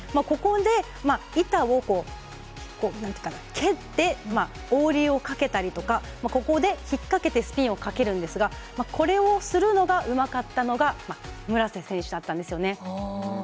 ここで板を蹴ってオーリーをかけたりとかここで引っかけてスピンをかけるんですがこれをするのがうまかったのが村瀬選手だったんですよね。